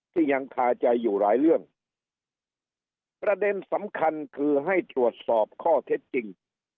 ยังคาใจอยู่หลายเรื่องประเด็นสำคัญคือให้ตรวจสอบข้อเท็จจริง